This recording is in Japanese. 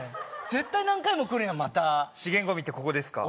絶対何回も来るやんまた資源ごみってここですか？